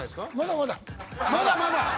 まだまだ！